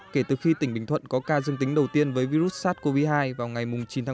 kể từ khi tỉnh bình thuận có ca dương tính đầu tiên với virus sars cov hai vào ngày chín tháng ba năm hai nghìn hai mươi